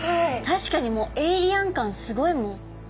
確かにエイリアン感スゴいもん。